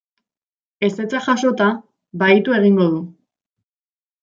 Ezetza jasota, bahitu egingo du.